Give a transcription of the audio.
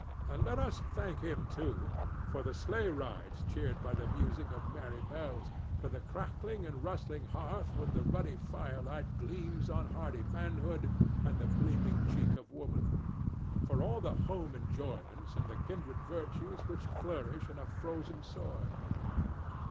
And let us thank him, too, for the sleigh rides cheered by the music of merry bells; for the crackling and rustling hearth when the ruddy firelight gleams on hardy manhood and the blooming cheek of woman: for all the home enjoyments and the kindred virtues which flourish in a frozen soil.